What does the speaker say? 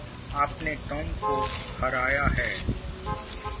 आपने टॉम को हराया है।